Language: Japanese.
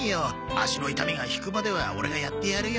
足の痛みが引くまではオレがやってやるよ。